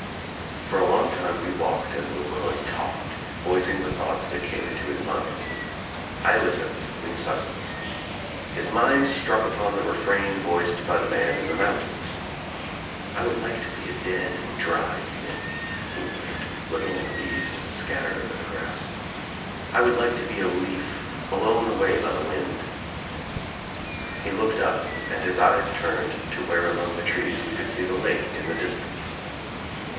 For a long time wc walked and LeRoy talked, voic ing the thoughts that came into his mind. I listened in silence. His mind struck upon the refrain voiced by the man in the mountains. "I would like to be a dead dry thing," he muttered looking at the leaves scattered over the grass. "I would like to be a leaf blown away by the wind." He looked up and his eyes turned to where among the trees we could see the fake in the distance.